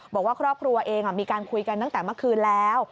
บอกว่าครอบครัวเองมีการคุยกันตั้งแต่เมื่อคืนแล้ว